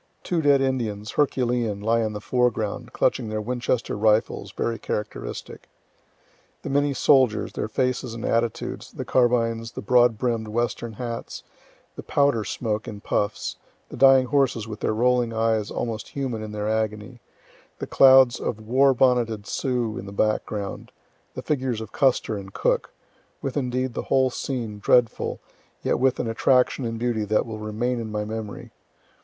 Two dead Indians, herculean, lie in the foreground, clutching their Winchester rifles, very characteristic. The many soldiers, their faces and attitudes, the carbines, the broad brimm'd western hats, the powder smoke in puffs, the dying horses with their rolling eyes almost human in their agony, the clouds of war bonneted Sioux in the background, the figures of Custer and Cook with indeed the whole scene, dreadful, yet with an attraction and beauty that will remain in my memory.